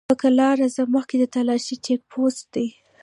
په کرار ځه! مخکې د تالاشی چيک پوسټ دی!